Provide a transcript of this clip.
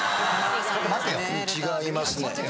違いますね。